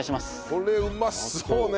これうまそうね。